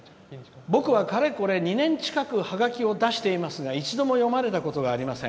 「僕はかれこれ２年近くもハガキを出していますが、一度も読まれたことはありません